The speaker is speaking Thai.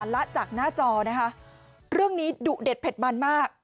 หลักจากหน้าจอเรื่องนี้ดุเด็ดเผ็ดบันมาก